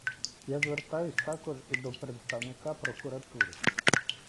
Я звертаюсь також і до представника прокуратури!